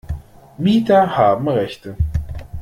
Mieter haben Rechte.